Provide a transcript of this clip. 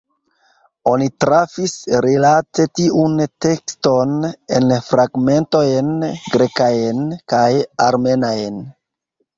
Oni trafis, rilate tiun tekston, en fragmentojn grekajn kaj armenajn.